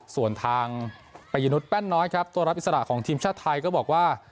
ส่วนทางปริยนุษยแป้นน้อยครับตัวรับอิสระของทีมชาติไทยก็บอกว่า